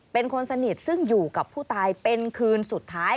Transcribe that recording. เป็นคนสนิทซึ่งอยู่กับผู้ตายเป็นคืนสุดท้าย